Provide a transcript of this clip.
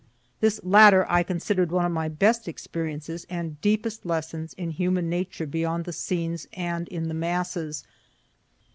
(This latter I consider one of my best experiences and deepest lessons in human nature behind the scenes and in the masses.)